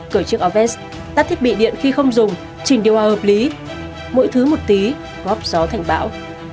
cởi chiếc áo vest tắt thiết bị điện khi không dùng chỉnh điều hòa hợp lý mỗi thứ một tí góp gió thành bão